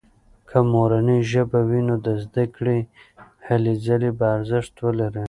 که مورنۍ ژبه وي، نو د زده کړې هلې ځلې به ارزښت ولري.